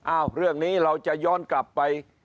เรื่องนี้เราจะย้อนกลับไป